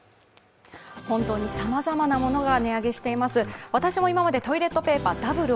本当にさまざまなものが値上げしています。